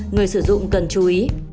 người sử dụng cần chú ý